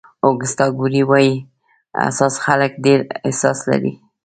اوګسټو کوري وایي حساس خلک ډېر احساس لري.